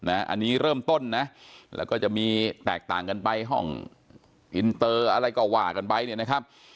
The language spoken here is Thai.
อันนี้เริ่มต้นนะแล้วก็จะมีแตกต่างกันไปห้องอินเตอร์อะไรก็ว่ากันไปเนี่ยนะครับ